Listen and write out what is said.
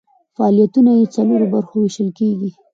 فعالیتونه یې په څلورو برخو ویشل کیږي.